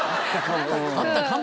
「あったかも」